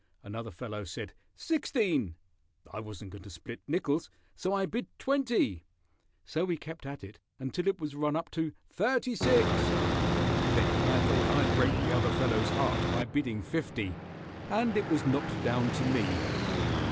Another fellow said 'sixteen.' I wasn't going to split nickels so I bid 'twenty.' So we kept at it until it was run up to 'thirty six.' Then I thought I'd break the other fellow's heart by bidding fifty, and it was knocked down to me."